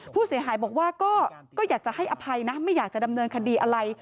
ผู้เสียหายบอกว่าก็อยากจะให้อภัยนะไม่อยากจะดำเนินคดีอะไร